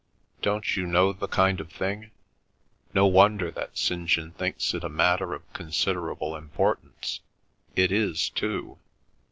Don't you know the kind of thing? No wonder that St. John thinks it a matter of considerable importance. It is too.